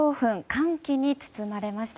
歓喜に包まれました。